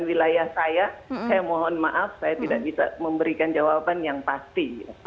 wilayah saya saya mohon maaf saya tidak bisa memberikan jawaban yang pasti